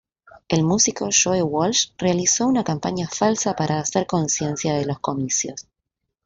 El músico Joe Walsh realizó una campaña falsa para hacer conciencia de los comicios.